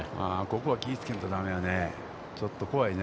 ここは気をつけんとだめやね。